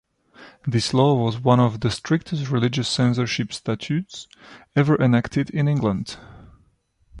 This law was one of the strictest religious censorship statutes ever enacted in England.